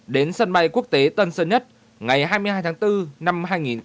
đến sân bay quốc tế tân sơn nhất ngày hai mươi hai tháng bốn năm hai nghìn hai mươi